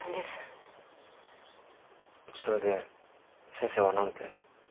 それで先生は何て？